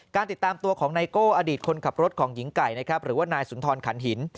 ติดตามตัวของไนโก้อดีตคนขับรถของหญิงไก่นะครับหรือว่านายสุนทรขันหิน